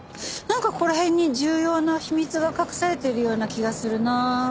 なんかここら辺に重要な秘密が隠されてるような気がするな。